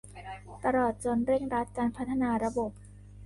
ตลอดจนเร่งรัดการพัฒนาระบบ